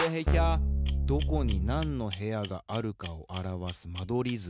どこになんの部屋があるかをあらわす間取り図。